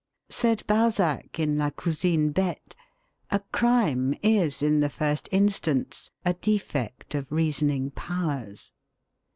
Said Balzac in La Cousine Bette, 'A crime is in the first instance a defect of reasoning powers.'